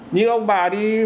như ông bà đi